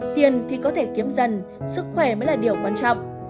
tiền thì có thể kiếm dần sức khỏe mới là điều quan trọng